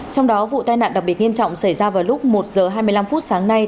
trong đó vụ tai nạn đặc biệt nghiêm trọng xảy ra vào lúc một h hai mươi năm phút sáng nay